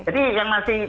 jadi yang masih